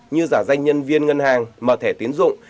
như giả danh nhân viên ngân hàng mở thẻ tiến dụng